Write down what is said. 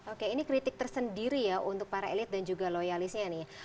oke ini kritik tersendiri ya untuk para elit dan juga loyalisnya nih